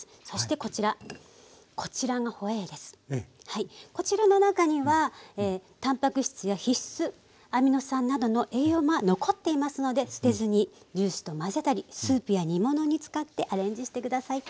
こちらの中にはタンパク質や必須アミノ酸などの栄養が残っていますので捨てずにジュースと混ぜたりスープや煮物に使ってアレンジして下さい。